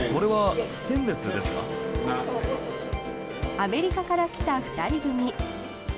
アメリカから来た２人組。